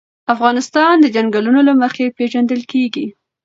افغانستان د چنګلونه له مخې پېژندل کېږي.